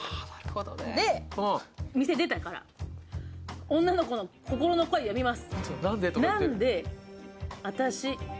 で、店を出てから、女の子の心の声、読みます。